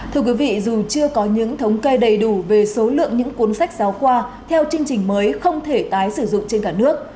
thưa quý vị dù chưa có những thống kê đầy đủ về số lượng những cuốn sách giáo khoa theo chương trình mới không thể tái sử dụng trên cả nước